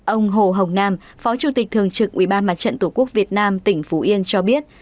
ông hồ hồng nam phó chủ tịch thường trực ủy ban mặt trận tổ quốc việt nam tỉnh phú yên cho biết